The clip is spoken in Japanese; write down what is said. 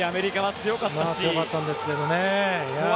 強かったんですけどね。